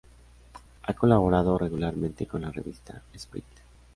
Ha colaborado regularmente con la revista "Esprit".